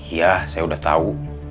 iya saya udah tau